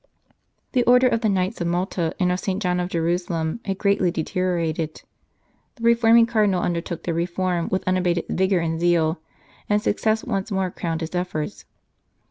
The Order of the Knights of Malta and of St. John of Jerusalem had greatly deteriorated ; the reforming Cardinal undertook their reform with unabated vigour and zeal, and success once more crowned his efforts.